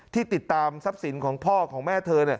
ติดตามทรัพย์สินของพ่อของแม่เธอ